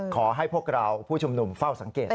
ขอให้พวกเราผู้ชุมนุมเฝ้าสังเกต